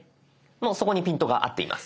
もうそこにピントが合っています。